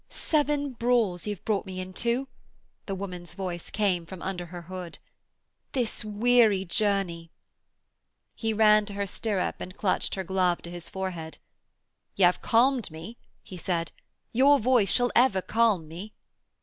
'Seven brawls y' have brought me into,' the woman's voice came from under her hood, 'this weary journey.' He ran to her stirrup and clutched her glove to his forehead. 'Y'ave calmed me,' he said. 'Your voice shall ever calm me.'